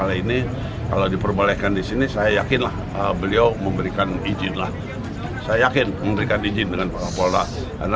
begitupun teman dua jika kamu memiliki keinginan angry